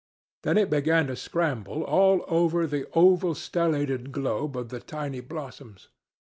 Then it began to scramble all over the oval stellated globe of the tiny blossoms.